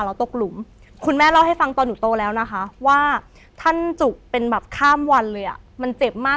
แล้วตกหลุมคุณแม่เล่าให้ฟังตอนหนูโตแล้วนะคะว่าท่านจุกเป็นแบบข้ามวันเลยอ่ะมันเจ็บมาก